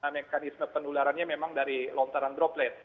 mekanisme penularannya memang dari lontaran droplet